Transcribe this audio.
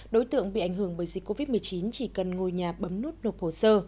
đối tượng bị ảnh hưởng bởi dịch covid một mươi chín chỉ cần ngồi nhà bấm nút nộp hồ sơ